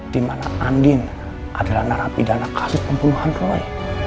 dimana andin adalah narapidana kasus pembunuhan roy